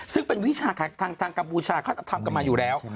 ซึ่งเป็นวิชาทางกัมพูชาเขาทำกันมาอยู่แล้ว